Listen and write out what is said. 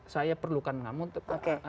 saya perlukan kamu untuk